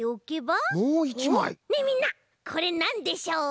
ねえみんなこれなんでしょう？